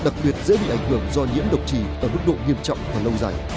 cơ thể và đặc biệt dễ bị ảnh hưởng do nhiễm độc trì ở mức độ nghiêm trọng và lâu dài